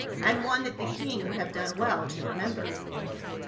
and one that the king would have done well to re member.